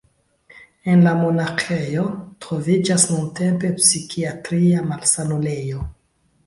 En la monaĥejo troviĝas nuntempe psikiatria malsanulejo.